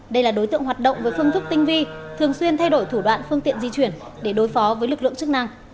đây là đối tượng hoạt động với phương thức tinh vi thường xuyên thay đổi thủ đoạn phương tiện di chuyển để đối phó với lực lượng chức năng